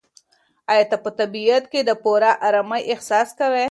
ایا ته په طبیعت کې د پوره ارامۍ احساس کوې؟